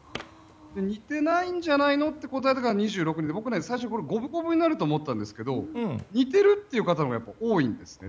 似ていないんじゃないのと答えた方は２６人で、僕、最初は五分五分になると思ったんですけど似てるっていう方がやっぱり多いんですね。